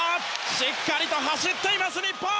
しっかりと走っています、日本。